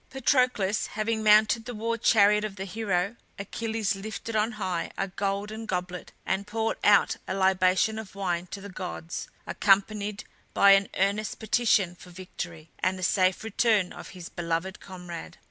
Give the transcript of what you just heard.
Patroclus having mounted the war chariot of the hero, Achilles lifted on high a golden goblet and poured out a libation of wine to the gods, accompanied by an earnest petition for victory, and the safe return of his beloved comrade.